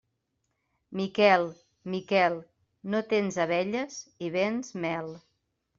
Miquel, Miquel, no tens abelles i vens mel.